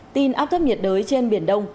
tin áp thấp nhiệt đới trên biển đông